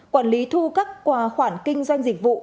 quản lý thu các quà khoản kinh doanh dịch vụ